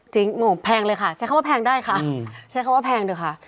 จริงโหแพงเลยค่ะใช้คำว่าแพงได้ค่ะใช้คำว่าแพงแบบนี้ค่ะ